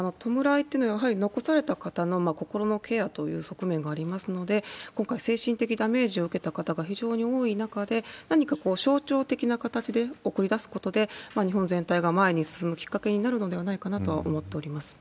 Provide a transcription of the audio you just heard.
弔いというのはやはり残された方の心のケアという側面がありますので、今回、精神的ダメージを受けた方が多い中で、何かこう、象徴的な形で送り出すことで、日本全体が前に進むきっかけになるのではないかなと思っております。